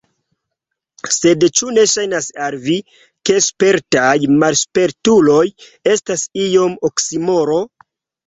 Sed ĉu ne ŝajnas al vi, ke spertaj malspertuloj estas iom oksimoro?